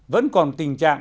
vẫn còn tình trạng